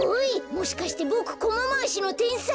もしかしてボクコマまわしのてんさい？